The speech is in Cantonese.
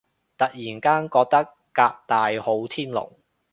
突然間覺得革大好天龍